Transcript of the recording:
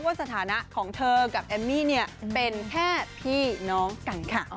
สถานะของเธอกับแอมมี่เนี่ยเป็นแค่พี่น้องกันค่ะ